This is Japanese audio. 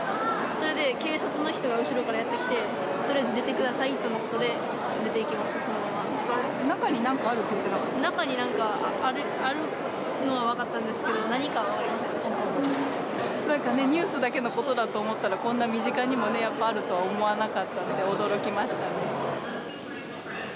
それで警察の人が後ろからやって来て、とりあえず出てくださいとのことで、中になんかあるって言ってな中になんかあるのは分かったんですけど、なんかね、ニュースだけのことだと思ったら、こんな身近にもね、あるとは思わなかったんで、驚きましたね。